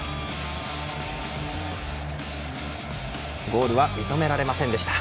ゴールは認められませんでした。